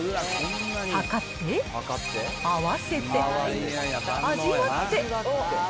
量って、合わせて、味わって。